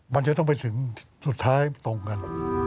มันจะต้องไปถึงสุดท้ายตรงกัน